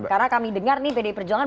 karena kami dengar nih pdi perjuangan